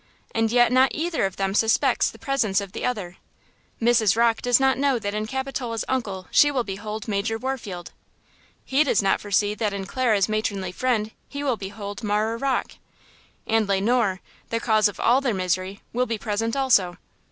And yet not either of them suspects the presence of the other! Mrs. Rocke does not know that in Capitola's uncle she will behold Major Warfield! He does not foresee that in Clara's matronly friend he will behold Marah Rocke! And Le Noir, the cause of all their misery, will be present also!